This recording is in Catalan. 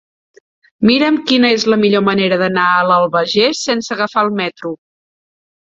Mira'm quina és la millor manera d'anar a l'Albagés sense agafar el metro.